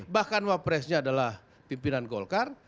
bahkan wapresnya adalah pimpinan golkar